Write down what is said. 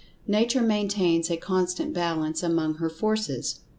Nature maintains a constant balance among her Forces.